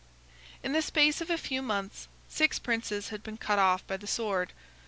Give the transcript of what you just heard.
] In the space of a few months, six princes had been cut off by the sword.